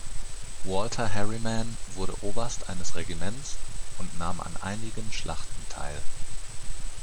Walter Harriman wurde Oberst eines Regiments und nahm an einigen Schlachten teil.